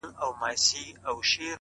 o سیاه پوسي ده، ستا غمِستان دی.